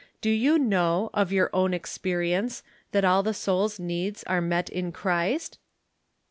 Do you know, of your own experience, tbat all tbe soul's needs are met in Cbrist?